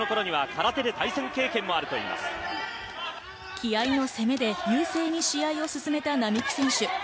気合いの攻めで優勢に試合を進めた並木選手。